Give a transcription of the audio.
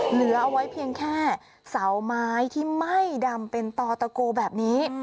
เหลือเอาไว้เพียงแค่เสาไม้ที่ไหม้ดำเป็นต่อตะโกแบบนี้